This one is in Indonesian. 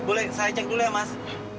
boleh saya cek dulu ya mas